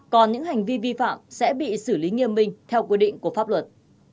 còn những hành vi vi phạm sẽ bị xử lý nghiêm minh theo quy định của pháp luật